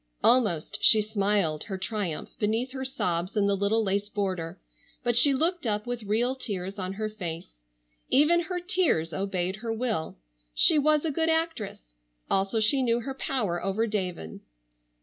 Almost she smiled her triumph beneath her sobs in the little lace border, but she looked up with real tears on her face. Even her tears obeyed her will. She was a good actress, also she knew her power over David.